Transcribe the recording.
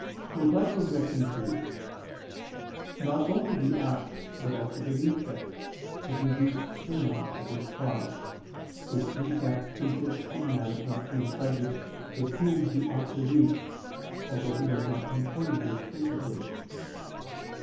Reply Obj. 2: Not only the act, but also the defect, is reduced to man as its cause, which defect consists in man not being subject to Whom he ought to be, although he does not intend this principally.